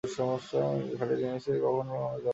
খাঁটি জিনিষের কখনও জগতে অনাদর হয়নি।